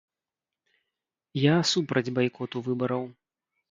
Я супраць байкоту выбараў.